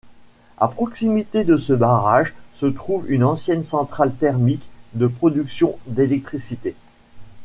À proximité de ce barrage se trouve une ancienne centrale thermique de production d'électricité.